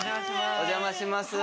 お邪魔します。